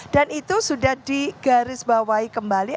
dan itu sudah digarisbawahi kembali